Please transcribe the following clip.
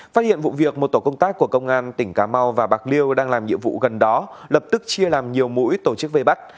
phát hiện vụ việc một tổ công tác của công an tỉnh cà mau và bạc liêu đang làm nhiệm vụ gần đó lập tức chia làm nhiều mũi tổ chức vây bắt